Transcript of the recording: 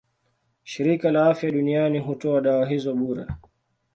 Shirika la Afya Duniani hutoa dawa hizo bure.